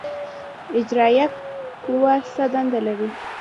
اجرائیه قوه څه دنده لري؟